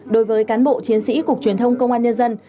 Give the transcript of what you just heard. đối với cán bộ chiến sĩ cục truyền thông công an nhân dân